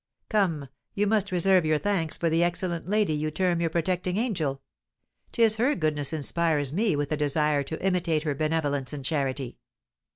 "Come, you must reserve your thanks for the excellent lady you term your protecting angel. 'Tis her goodness inspires me with a desire to imitate her benevolence and charity.